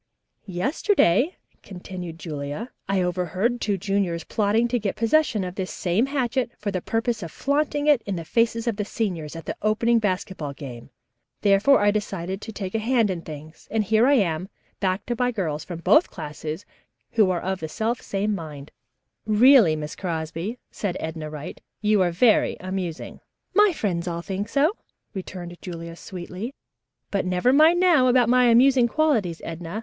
"Yesterday," continued Julia, "I overheard two juniors plotting to get possession of this same hatchet for the purpose of flaunting it in the faces of the seniors at the opening basketball game. Therefore I decided to take a hand in things, and here I am, backed by girls from both classes, who are of the self same mind." "Really, Miss Crosby," said Edna Wright, "you are very amusing." "My friends all think so," returned Julia sweetly, "but never mind now about my amusing qualities, Edna.